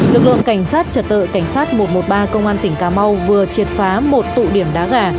lực lượng cảnh sát trật tự cảnh sát một trăm một mươi ba công an tỉnh cà mau vừa triệt phá một tụ điểm đá gà